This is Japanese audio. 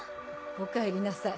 おかえりなさい。